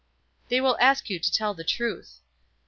"They will ask you to tell the truth."